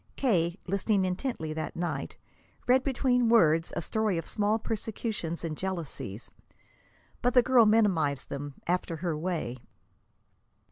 K., listening intently that night, read between words a story of small persecutions and jealousies. But the girl minimized them, after her way.